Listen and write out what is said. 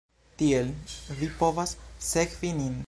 Tiel vi povas sekvi nin